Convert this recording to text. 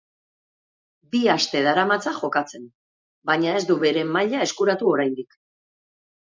Bi aste daramatza jokatzen, baina ez du bere maila eskuratu oraindik.